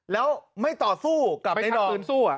แล้วไม่ต่อสู้กับในนอง